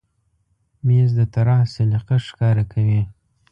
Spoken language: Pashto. مېز د طراح سلیقه ښکاره کوي.